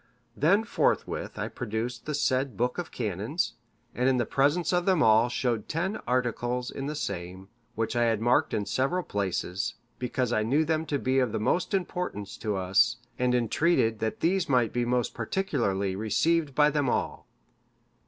Then forthwith I produced the said book of canons,(567) and in the presence of them all showed ten articles in the same, which I had marked in several places, because I knew them to be of the most importance to us, and entreated that these might be most particularly received by them all.